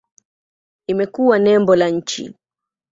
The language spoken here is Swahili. Imekuwa nembo la nchi.